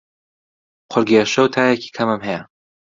قوڕگ ئێشە و تایەکی کەمم هەیە.